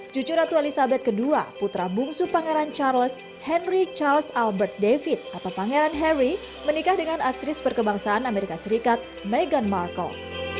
cucu ratu elizabeth ii putra bungsu pangeran charles henry charles albert david atau pangeran harry menikah dengan aktris berkebangsaan amerika serikat meghan markle